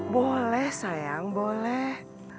boleh sayang boleh